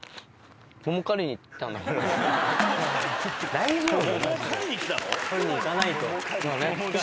大丈夫？